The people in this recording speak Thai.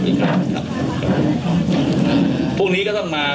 พรุ่งนี้ก็ต้องมา